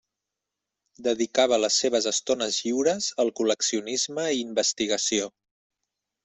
Dedicava les seves estones lliures al col·leccionisme i investigació.